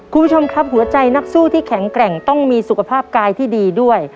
คุณผู้ชมครับหัวใจนักสู้ที่แข็งแกร่งต้องมีสุขภาพกายที่ดีด้วย